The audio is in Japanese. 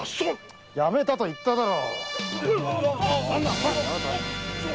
やめたと言っただろう。